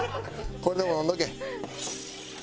これでも飲んどけ。